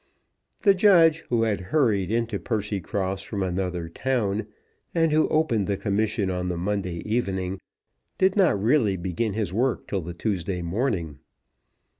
The judge, who had hurried into Percycross from another town, and who opened the commission on the Monday evening, did not really begin his work till the Tuesday morning.